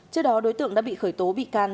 trước đó đối tượng đã bị khởi tố bị can